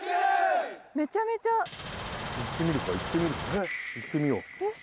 めちゃめちゃ行ってみるか行ってみようえっ